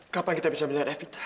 kapan kita bisa melihat david